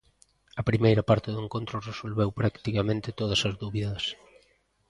A primeira parte do encontro resolveu practicamente todas as dúbidas.